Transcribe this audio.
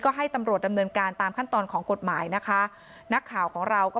ก็ให้ตำรวจดำเนินการตามขั้นตอนของกฎหมายนะคะนักข่าวของเราก็